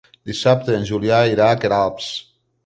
Dissabte en Julià irà a Queralbs.